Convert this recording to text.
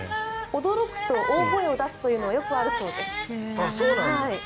驚くと大声を出すというのはよくあるそうです。